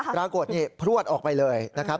ปรากฏนี่พลวดออกไปเลยนะครับ